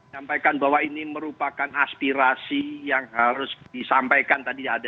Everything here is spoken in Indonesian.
sampaikan bahwa ini merupakan aspirasi yang harus disampaikan tadi ada rekan saya